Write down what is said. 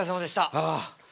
ああ。